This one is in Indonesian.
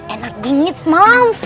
enak dingin semalam